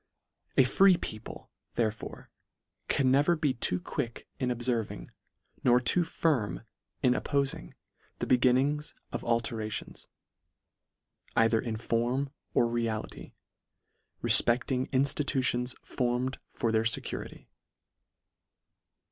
LETTER VI. 63 A free people, therefore, can never be too quick in obferving, nor too firm in op poling the beginnings of alterations, either in form or reality, refpecling inftitutions formed for their fecurity.